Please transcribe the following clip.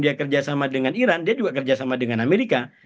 dia kerjasama dengan iran dia juga kerjasama dengan amerika